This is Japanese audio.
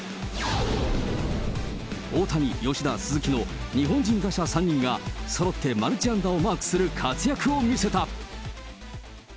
大谷、吉田、鈴木の日本人打者３人が、そろってマルチ安打をマークする活躍を見せた。